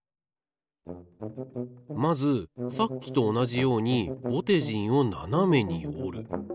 まずさっきとおなじようにぼてじんをななめにおる。